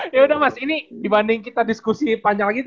yaudah mas ini dibanding kita diskusi panjang lagi